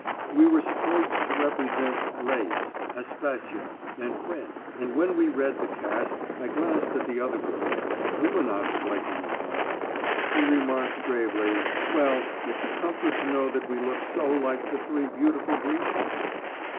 We were supposed to represent Lais, Aspasia, and Phryne, and when we read the cast I glanced at the other girls (we were not strikingly handsome) and remarked, gravely: "Well, it's a comfort to know that we look so like the three beautiful Grecians."